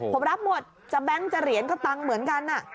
ผมรับหมดจะแบงค์จะเหรียญก็ตังค์เหมือนกัน